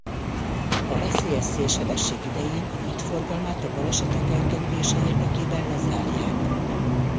A veszélyes szélsebesség idején a híd forgalmát a balesetek elkerülése érdekében lezárják.